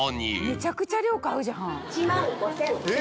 めちゃくちゃ量買うじゃん。